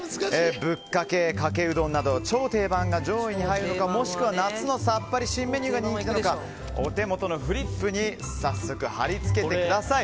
ぶっかけ、かけうどんなど超定番が上位に入るのかもしくは夏のさっぱりメニューが人気なのかお手元のフリップに貼り付けてください。